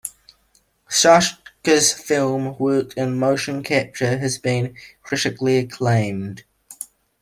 Serkis's film work in motion capture has been critically acclaimed.